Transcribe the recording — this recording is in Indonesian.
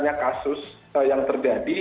banyak sekali sebenarnya kasus yang terjadi